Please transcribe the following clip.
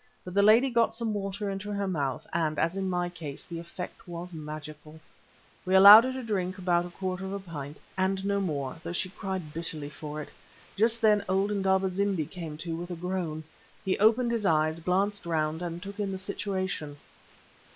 But the lady got some water into her mouth, and, as in my case, the effect was magical. We allowed her to drink about a quarter of a pint, and no more, though she cried bitterly for it. Just then old Indaba zimbi came to with a groan. He opened his eyes, glanced round, and took in the situation.